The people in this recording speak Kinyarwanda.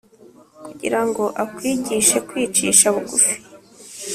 kugira ngo akwigishe kwicisha bugufi